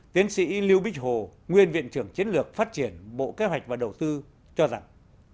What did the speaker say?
tiến sĩ lưu bích hồ nguyên viện trưởng chiến lược phát triển bộ kế hoạch và đầu tư cho rằng